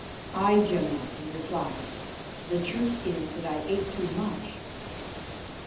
"Aye, General," he replied; "the truth is that I ate too much."